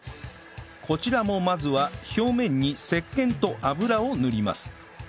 こちらもまずは表面に石けんと油を塗ります